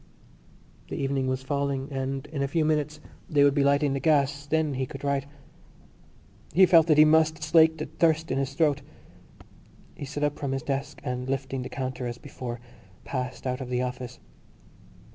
_ The evening was falling and in a few minutes they would be lighting the gas: then he could write. He felt that he must slake the thirst in his throat. He stood up from his desk and, lifting the counter as before, passed out of the office.